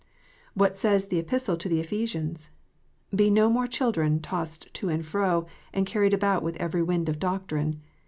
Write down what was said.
What says the Epistle to the Ephesians? " Be no more children, tossed to and fro, and carried about with every wind of doctrine."